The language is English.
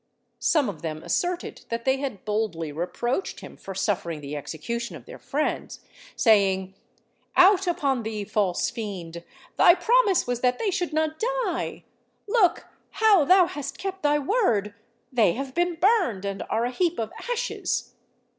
Some of them asserted that they had boldly reproached him for suffering the execution of their friends, saying, "_Out upon thee, false fiend! thy promise was that they should not die! Look, how thou hast kept thy word! They have been burned, and are a heap of ashes!